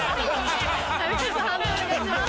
判定お願いします。